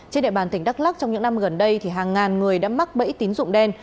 trên địa bàn tỉnh đắk lắc trong những năm gần đây hàng ngàn người đã mắc bẫy tín dụng đen